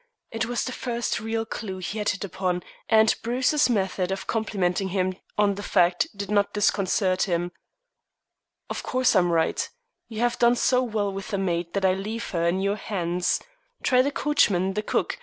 It was the first real clue he had hit upon, and Bruce's method of complimenting him on the fact did not disconcert him. "Of course I am right. You have done so well with the maid that I leave her in your hands. Try the coachman and the cook.